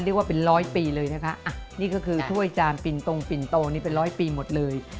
เรียกว่าเป็น๑๐๐ปีเลยนะคะอันนี้ก็คือช่วยจามปิ่นตงปิ่นโตเป็น๑๐๐ปีหมดเลย